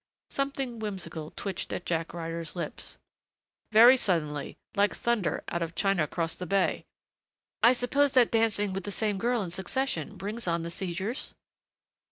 Something whimsical twitched at Jack Ryder's lips. "Very suddenly. Like thunder, out of China crost the bay." "I suppose that dancing with the same girl in succession brings on the seizures?"